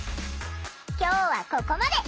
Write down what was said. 今日はここまで！